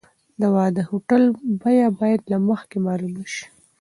د واده د هوټل بیه باید له مخکې معلومه شي.